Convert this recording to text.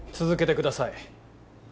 続けてください。